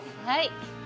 はい。